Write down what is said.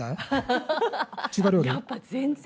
やっぱ全然！